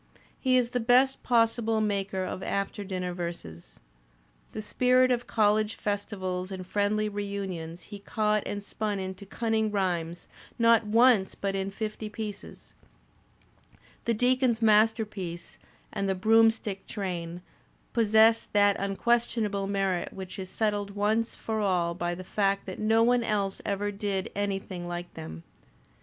He is the best possible maker of after dinner verses. The spirit of college festivals and friendly reunions he caught and spun into cunning rhymes, not once but in fifty pieces. The Deacon's Masterpiece" and "The Broomstick Train" possess that unquestionable merit which is settled once for all by the fact that no one else ever did anything like them.